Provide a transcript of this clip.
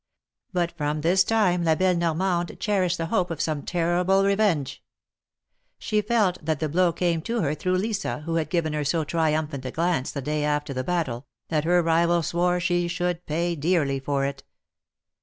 But from this time La belle Normande cherished the hope of some terrible revenge. 148 THE MARKETS OF PARIS. She felt that the blow came to her through Lisa, who had given her so triumphant a glance the day after the battle, that iier rival swore she should pay dearly for it.